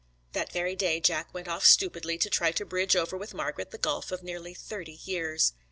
That very day Jack went off stupidly to try to bridge over with Margret the gulf of nearly thirty years.